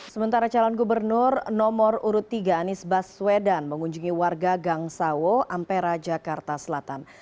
sementara calon gubernur nomor urut tiga anies baswedan mengunjungi warga gang sawo ampera jakarta selatan